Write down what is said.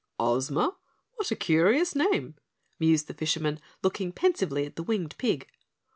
"Ozma? What a curious name," mused the fisherman, looking pensively at the winged pig.